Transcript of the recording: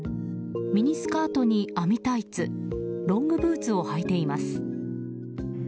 ミニスカートに網タイツロングブーツを履いています。